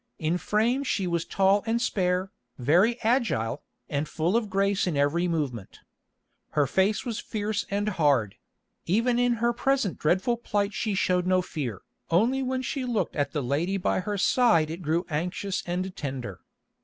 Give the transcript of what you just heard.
In frame she was tall and spare, very agile, and full of grace in every movement. Her face was fierce and hard; even in her present dreadful plight she showed no fear, only when she looked at the lady by her side it grew anxious and tender.